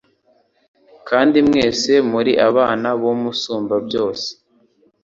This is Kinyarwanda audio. kandi mwese muri abana b’Umusumbabyose